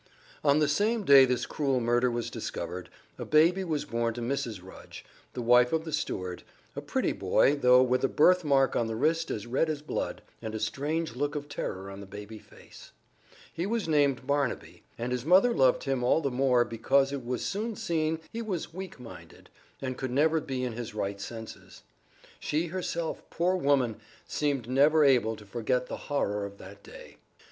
On the same day this cruel murder was discovered, a baby was born to Mrs. Rudge, the wife of the steward a pretty boy, though with a birth mark on the wrist as red as blood, and a strange look of terror on the baby face. He was named Barnaby, and his mother loved him all the more because it was soon seen he was weak minded, and could never be in his right senses. She herself, poor woman! seemed never able to forget the horror of that day.